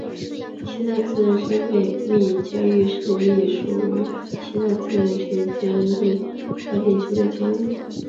西藏自治区波密监狱是隶属于西藏自治区监狱管理局的监狱。